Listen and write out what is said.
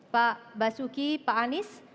pak basuki pak anies